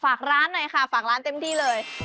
ฝากร้านหน่อยค่ะฝากร้านเต็มที่เลย